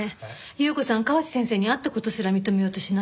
優子さん河内先生に会った事すら認めようとしないもん。